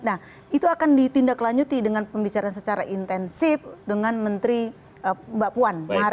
nah itu akan ditindaklanjuti dengan pembicaraan secara intensif dengan menteri mbak puan